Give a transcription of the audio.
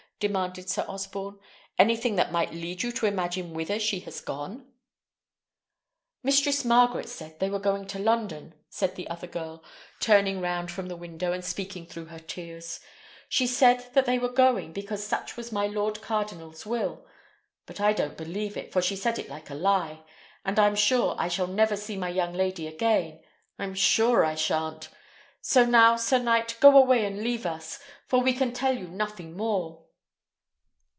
demanded Sir Osborne. "Anything that might lead you to imagine whither she was gone?" "Mistress Margaret said they were going to London," said the other girl, turning round from the window, and speaking through her tears. "She said that they were going because such was my lord cardinal's will. But I don't believe it, for she said it like a lie; and I'm sure I shall never see my young lady again. I'm sure I shan't! So now, sir knight, go away and leave us, for we can tell you nothing more."